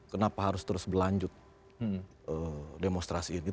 kenapa harus terus berlanjut demonstrasi ini